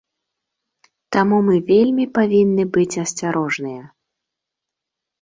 Таму мы вельмі павінны быць асцярожныя.